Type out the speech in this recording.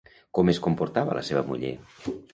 Com es comportava la seva muller?